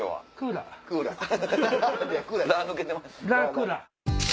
ラクーラ？